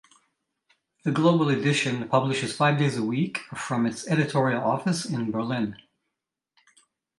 The "Global Edition" publishes five days a week from its editorial office in Berlin.